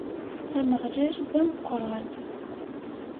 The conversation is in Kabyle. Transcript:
Ameɣlal, d ameqqran!